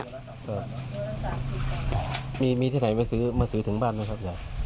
ครับมีที่ไหนมาซื้อถึงบ้านนะครับ